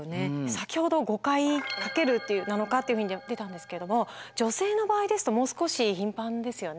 先ほど５回かける７日っていうふうには言ってたんですけども女性の場合ですともう少し頻繁ですよね。